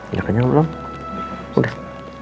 nyakanya udah belum udah